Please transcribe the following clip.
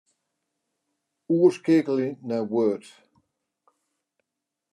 Oerskeakelje nei Word.